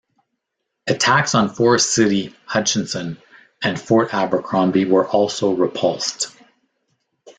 Attacks on Forest City, Hutchinson, and Fort Abercrombie were also repulsed.